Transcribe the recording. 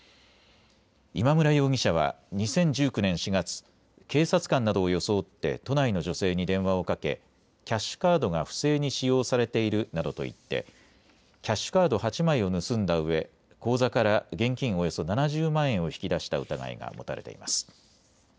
今村容疑者は２０１９年４月、警察官などを装って都内の女性に電話をかけキャッシュカードが不正に使用されているなどと言ってキャッシュカード８枚を盗んだうえ、口座から現金およそ７０万円を引き出した疑いが持たれています。